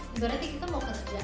berarti kita mau kerja aja sekarang